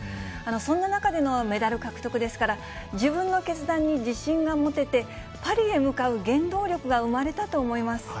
そんな中でのメダル獲得ですから、自分の決断に自信が持てて、パリへ向かう原動力が生まれたと思います。